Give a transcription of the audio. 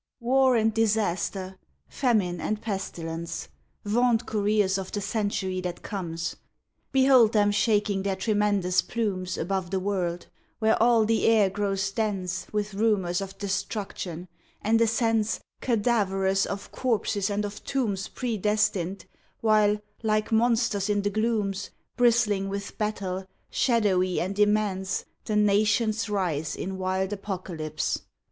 War and Disaster, Famine and Pestilence, Vaunt couriers of the Century that comes, Behold them shaking their tremendous plumes Above the world! where all the air grows dense With rumors of destruction and a sense, Cadaverous, of corpses and of tombs Predestined; while, like monsters in the glooms, Bristling with battle, shadowy and immense, The Nations rise in wild apocalypse.